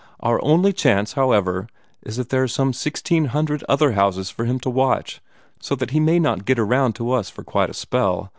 Our only chance, however, is that there are some sixteen hundred other houses for him to watch, so that he may not get around to us for quite a spell.